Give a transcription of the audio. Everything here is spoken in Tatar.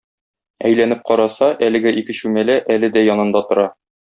Әйләнеп караса, әлеге ике чүмәлә әле дә янында тора.